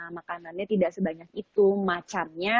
makanannya tidak sebanyak itu macannya